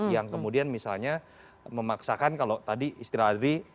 yang kemudian misalnya memaksakan kalau tadi istilah adri